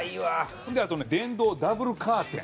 ほんであとね電動ダブルカーテン。